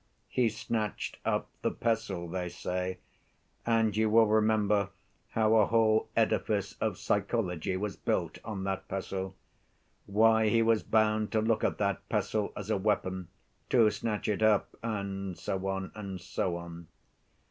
'He snatched up the pestle,' they say, and you will remember how a whole edifice of psychology was built on that pestle—why he was bound to look at that pestle as a weapon, to snatch it up, and so on, and so on.